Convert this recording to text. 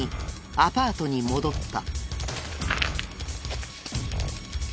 アパートに戻った。